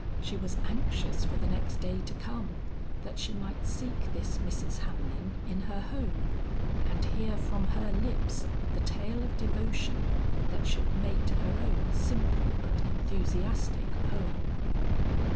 She was anxious for the next day to come, that she might seek this Mrs. Hamlin in her home, and hear from her lips the tale of devotion that should mate her own simple but enthusiastic poem.